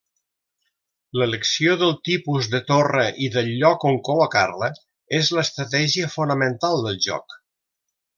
L'elecció del tipus de torre i del lloc on col·locar-la és l'estratègia fonamental del joc.